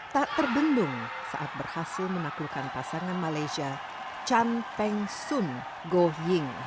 tak terbendung saat berhasil menaklukkan pasangan malaysia chan peng sun go ying